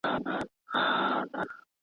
که سوله وي نو خوشحالي وي.